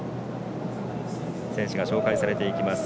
選手が紹介されていきます。